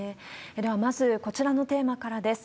では、まずこちらのテーマからです。